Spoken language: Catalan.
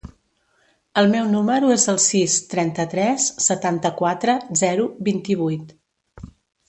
El meu número es el sis, trenta-tres, setanta-quatre, zero, vint-i-vuit.